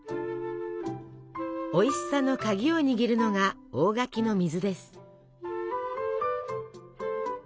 おいしさの鍵を握るのが大垣の水です。